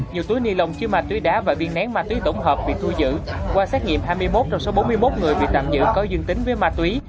nhiều túi ni lông chứa ma túy đá và viên nén ma túy tổng hợp bị thu giữ qua xét nghiệm hai mươi một trong số bốn mươi một người bị tạm giữ có dương tính với ma túy